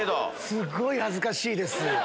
すっごい恥ずかしいです。